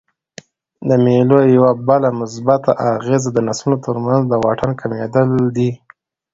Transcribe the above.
د مېلو یوه بله مثبته اغېزه د نسلونو ترمنځ د واټن کمېدل دي.